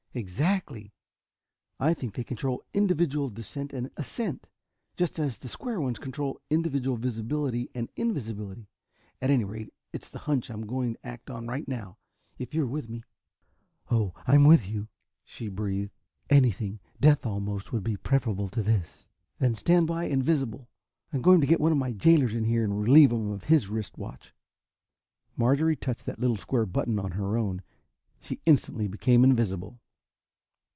"Exactly! I think they control individual descent and ascent, just as the square ones control individual visibility and invisibility. At any rate, it's the hunch I'm going to act on right now, if you're with me." "Oh, I'm with, you!" she breathed. "Anything, death almost, would be preferable to this." "Then stand by, invisible. I'm going to get one of my jailors in here and relieve him of his wrist watch." Marjorie touched that little square button on her own. She instantly became invisible.